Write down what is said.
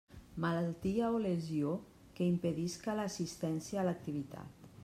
Malaltia o lesió que impedisca l'assistència a l'activitat.